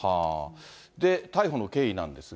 逮捕の経緯なんですが。